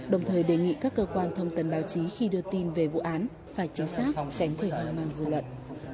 đồng thời đề nghị các cơ quan thông tần báo chí khi đưa tin về vụ án phải chính xác tránh gây hoang mang dư luận